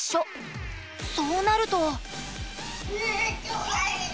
そうなると。